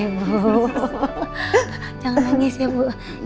ibu kalo nangis nanti cantiknya berkurang loh ibu